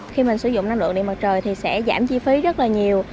khi mình sử dụng năng lượng điện mặt trời thì sẽ giảm chi phí rất là nhiều